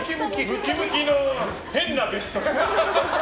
ムキムキの変なベスト。